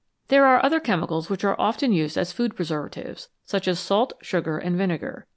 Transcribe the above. There are other chemicals which are often used as food preservatives, such as salt, sugar, and vinegar.